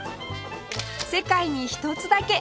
世界に一つだけ！